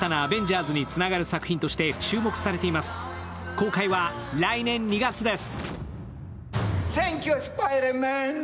公開は来年２月です。